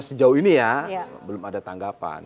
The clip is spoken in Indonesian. sejauh ini ya belum ada tanggapan